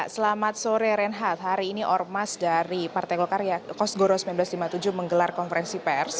selamat sore renhat hari ini ormas dari partai golkar ya kosgoro seribu sembilan ratus lima puluh tujuh menggelar konferensi pers